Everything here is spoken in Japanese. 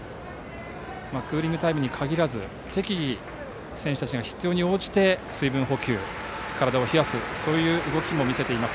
クーリングタイムに限らず適宜、選手たちが必要に応じて水分補給、体を冷やす動きも見せます。